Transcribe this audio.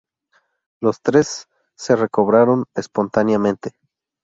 Los tres se recobraron espontáneamente.